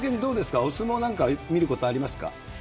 お相撲なんかは見ることありますか？